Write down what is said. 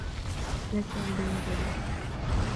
ليس لدي دليل.